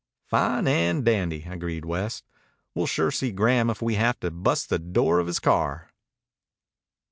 "Fine and dandy," agreed West. "We'll sure see Graham if we have to bust the door of his car."